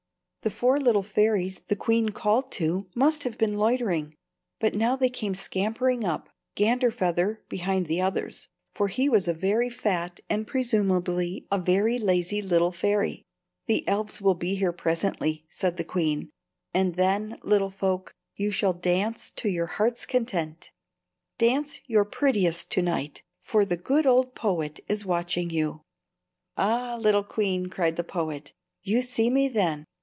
The four little fairies the queen called to must have been loitering. But now they came scampering up, Ganderfeather behind the others, for he was a very fat and presumably a very lazy little fairy. "The elves will be here presently," said the queen, "and then, little folk, you shall dance to your heart's content. Dance your prettiest to night, for the good old poet is watching you." "Ah, little queen," cried the old poet, "you see me, then?